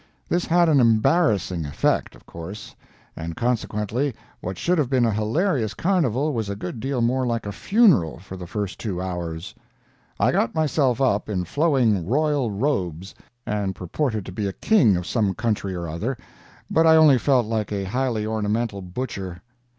This had an embarrassing effect, of course, and consequently what should have been a hilarious carnival was a good deal more like a funeral for the first two hours. I got myself up in flowing royal robes, and purported to be a king of some country or other, but I only felt like a highly ornamental butcher.